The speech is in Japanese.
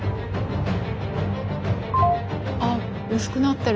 あっ薄くなってる。